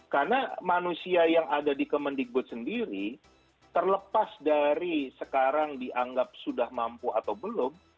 karena manusia yang ada di kemendik putri sendiri terlepas dari sekarang dianggap sudah mampu atau belum